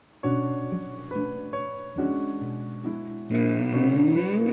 うん。